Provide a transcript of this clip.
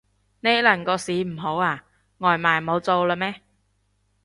呢輪個市唔好啊？外賣冇做喇咩